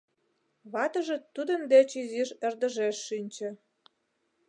Ватыже тудын деч изиш ӧрдыжеш шинче.